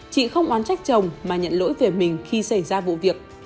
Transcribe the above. chị không oán trách chồng mà nhận lỗi về mình khi xảy ra vụ việc